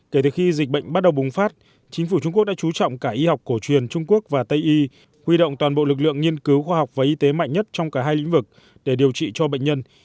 kể từ khi dịch bệnh bắt đầu bùng phát chính phủ trung quốc đã trú trọng cả y học cổ truyền trung quốc và tây y huy động toàn bộ lực lượng nghiên cứu khoa học và y tế mạnh nhất trong cả hai lĩnh vực để điều trị cho bệnh nhân